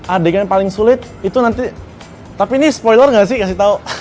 adegan yang paling sulit itu nanti tapi ini spoiler gak sih ngasih tau